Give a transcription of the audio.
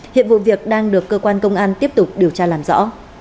hiện vụ việc đang được cơ quan công an tiếp tục điều tra làm rõ